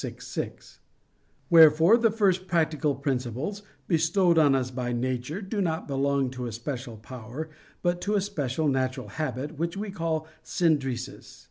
vi, 6). Wherefore the first practical principles, bestowed on us by nature, do not belong to a special power, but to a special natural habit, which we call "synderesis."